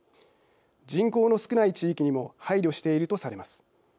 人口の少ない地域にも配慮しているとされます。